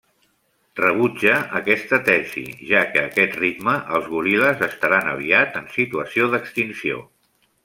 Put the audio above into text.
Rebutja aquesta tesi, ja que a aquest ritme, els goril·les estaran aviat en situació d'extinció.